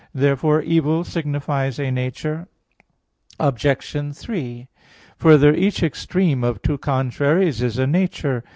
Therefore evil signifies a nature. Obj. 3: Further, each extreme of two contraries is a nature.